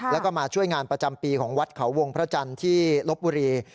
แล้วก็มาช่วยงานประจำปีของวัดเขาวงพระจันทร์ที่ลบบุรี